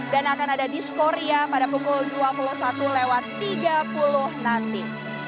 dan akan ada discoria pada pukul dua puluh satu lewat tiga puluh nanti